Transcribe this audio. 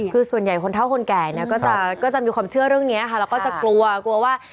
คือส่วนใหญ่คนเท่าคนแก่นี่ก็จะกลัวว่า